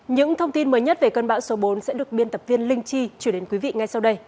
những thông tin mới nhất về cơn bão số bốn sẽ được biên tập viên linh chi chuyển đến quý vị ngay sau đây